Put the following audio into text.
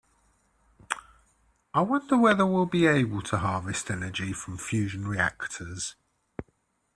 I wonder whether we will be able to harvest energy from fusion reactors.